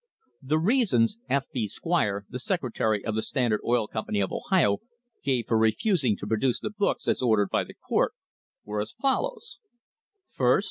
The reasons F. B. Squire, the secretary of the Standard Oil Company of Ohio, gave for refusing to produce the books as ordered by the court were as follows : 1st.